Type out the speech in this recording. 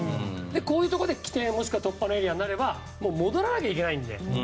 こういうところで起点、もしくは突破のエリアになればもう、戻らなきゃいけないので。